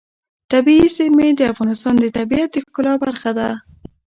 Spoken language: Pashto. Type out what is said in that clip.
طبیعي زیرمې د افغانستان د طبیعت د ښکلا برخه ده.